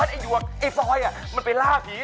จริงไอบ๊อยน์ไอยวกไอบ๊อยน์มันไปล่าผี